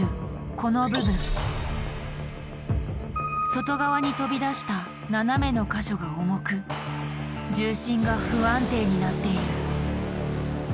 外側に飛び出した斜めの箇所が重く重心が不安定になっている。